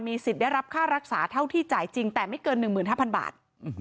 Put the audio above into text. สิทธิ์ได้รับค่ารักษาเท่าที่จ่ายจริงแต่ไม่เกิน๑๕๐๐บาท